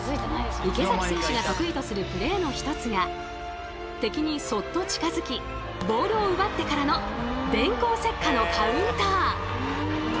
池崎選手が得意とするプレーの一つが敵にそっと近づきボールを奪ってからの電光石火のカウンター！